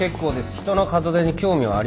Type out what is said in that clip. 人の門出に興味はありません。